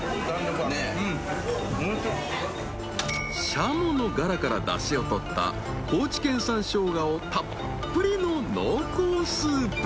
［シャモのがらからだしを取った高知県産ショウガをたっぷりの濃厚スープ］